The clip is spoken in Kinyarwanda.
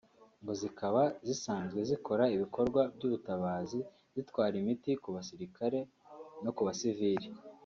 ngo zikaba zisanzwe zikora ibikorwa by’ubutabazi zitwara imiti ku basirikare no ku basivili